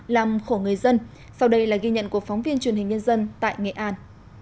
làm khổ người dân sau đây là ghi nhận của phóng viên truyền hình nhân dân tại nghệ an